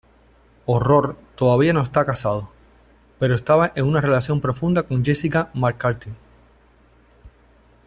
Horror todavía no está casado, pero estaba en una relación profunda con Jessica McCarthy.